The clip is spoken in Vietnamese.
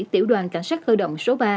tiểu đoàn cảnh sát cơ động số ba